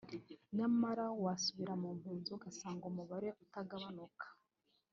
nyamara wasubira mu mpunzi ugasanga umubare utagabanuka